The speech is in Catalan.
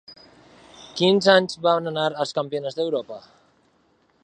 Quins anys van anar als Campionats d'Europa?